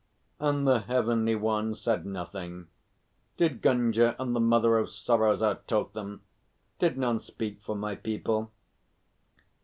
"And the Heavenly Ones said nothing? Did Gunga and the Mother of Sorrows out talk them? Did none speak for my people?"